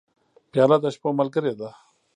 پیاله د شپو ملګرې ده.